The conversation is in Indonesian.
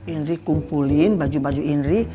indri kumpulin baju baju indri